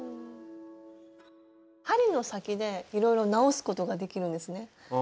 針の先でいろいろ直すことができるんですね？